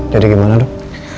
jadi gimana dok